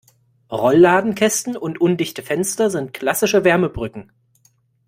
Rollladenkästen und undichte Fenster sind klassische Wärmebrücken.